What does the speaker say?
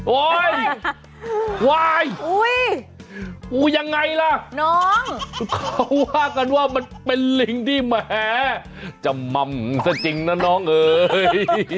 ควายอูยังไงล่ะน้องเขาว่ากันว่ามันเป็นลิงที่แหมจะม่ำซะจริงนะน้องเอ๋ย